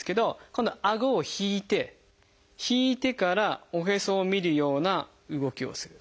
今度はあごを引いて引いてからおへそを見るような動きをする。